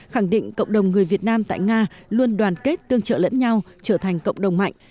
khẳng định cộng đồng người việt nam tại nga luôn đoàn kết tương trợ lẫn nhau trở thành cộng đồng mạnh